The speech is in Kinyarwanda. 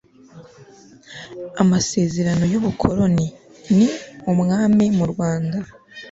amasezerano y ubukoloni n ubwami mu rwanda